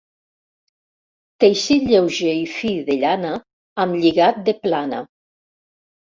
Teixit lleuger i fi de llana amb lligat de plana.